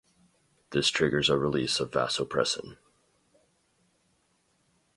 This triggers a release of vasopressin.